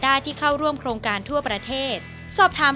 วันนี้ขอบคุณพี่อมนต์มากเลยนะครับ